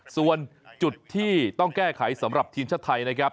ส่วนจุดที่ต้องแก้ไขสำหรับทีมชาติไทยนะครับ